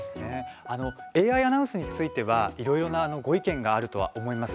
ＡＩアナウンスについてはいろいろなご意見があるとは思います。